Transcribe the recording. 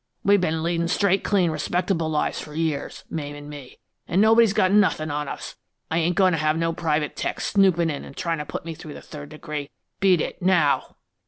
We've been leadin' straight, clean, respectable lives for years, Mame an' me, an' nobody's got nothin' on us! I ain't goin' to have no private 'tecs snoopin' in an' tryin' to put me through the third degree. Beat it, now!"